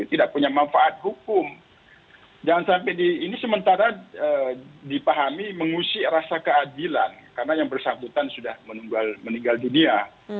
ini sementara dipahami mengusik rasa keadilan karena yang bersambutan sudah meninggal dunia